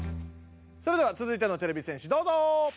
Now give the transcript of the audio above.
それではつづいてのてれび戦士どうぞ！